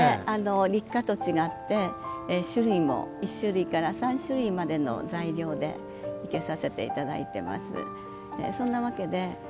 立花と違って種類も１種類から３種類までの材料で生けさせていただいています。